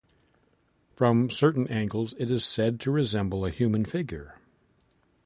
From certain angles it is said to resemble a human figure.